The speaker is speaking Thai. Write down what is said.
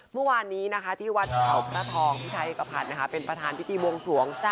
เมื่อวานนี้ที่วัดข่าวพระทองพี่ไทยเฮกภัทรเป็นประธานพิธีวงศ์สวงศ์